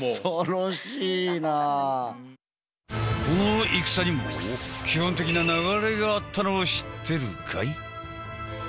この戦にも基本的な流れがあったのを知ってるかい？